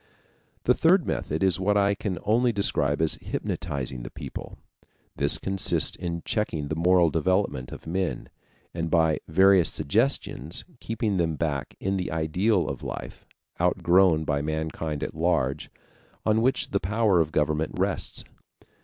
The third method is what I can only describe as hypnotizing the people. This consists in checking the moral development of men, and by various suggestions keeping them back in the ideal of life, outgrown by mankind at large, on which the power of government rests.